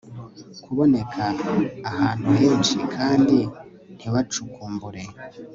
kuboneka ahantu henshi kandi ntibacukumbure